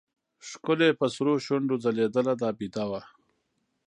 ښکل يې په سرو شونډو ځلېدله دا بېده وه.